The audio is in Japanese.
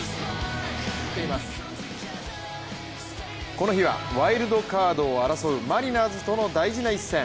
この日はワイルドカードを争うマリナーズとの一戦。